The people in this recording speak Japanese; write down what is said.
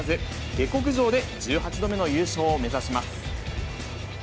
下克上で１８度目の優勝を目指します。